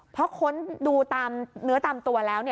เพราะค้นดูตามเนื้อตามตัวแล้ว